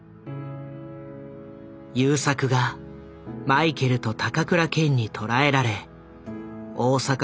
優作がマイケルと高倉健に捕らえられ大阪府警の階段を上る。